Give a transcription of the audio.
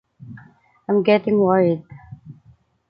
I'm getting worried.